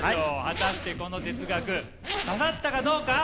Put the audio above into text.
果たしてこの哲学刺さったかどうか？